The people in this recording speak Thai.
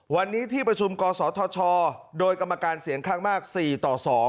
วันนี้ที่ประชุมกศธชโดยกรรมการเสียงข้างมาก๔ต่อ๒